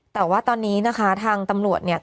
แต่ว่าตอนนี้นะคะทางตำรวจเนี่ย